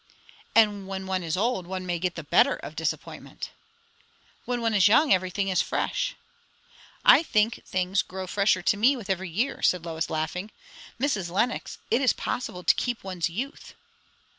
"And when one is old, one may get the better of disappointment." "When one is young, everything is fresh." "I think things grow fresher to me with every year," said Lois, laughing. "Mrs. Lenox, it is possible to keep one's youth."